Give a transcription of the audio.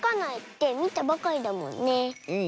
うん。